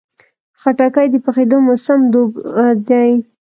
خټکی د پخېدو موسم دوبی دی.